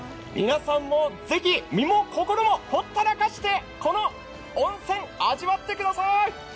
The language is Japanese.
皆さんもぜひ身も心もほったらかして、この温泉味わってください。